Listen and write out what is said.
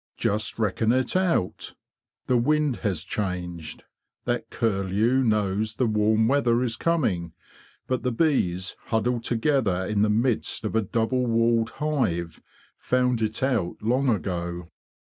Just reckon it out. The wind has changed; that curlew knows the warm weather is coming; but the bees, huddled to gether in the midst of a double walled hive, found it out long ago.